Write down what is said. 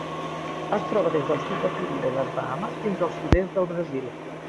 Es troba des del sud de Florida i les Bahames fins al sud-est del Brasil.